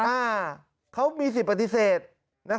อ่าเขามีสิทธิ์ปฏิเสธ